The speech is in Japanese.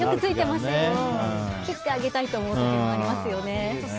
切ってあげたいと思う時もありますよね。